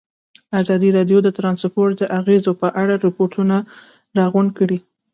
ازادي راډیو د ترانسپورټ د اغېزو په اړه ریپوټونه راغونډ کړي.